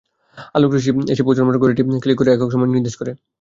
আলোকরশ্মি এসে পৌঁছানোমাত্র ঘড়িটি ক্লিক করে একক সময় নির্দেশ করে।